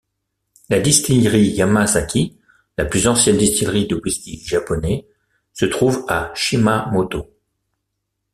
La distillerie Yamazaki, la plus ancienne distillerie de whisky japonais, se trouve à Shimamoto.